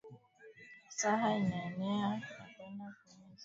Saha inaeneya ya kwenda ku misa